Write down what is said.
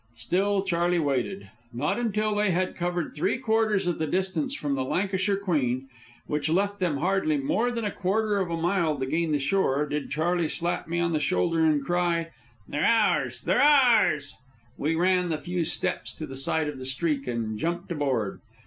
Still Charley waited. Not until they had covered three quarters of the distance from the Lancashire Queen, which left them hardly more than a quarter of a mile to gain the shore, did Charley slap me on the shoulder and cry: "They're ours! They're ours!" We ran the few steps to the side of the Streak and jumped aboard.